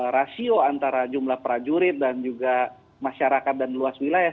rasio antara jumlah prajurit dan juga masyarakat dan luas wilayah